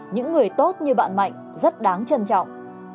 những người tốt như bạn mạnh rất đáng trân trọng